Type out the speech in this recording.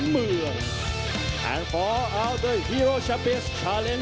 สวัสดีทุกคน